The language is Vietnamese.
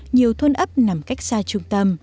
nhiều thôn ấp nằm cách xa chúng ta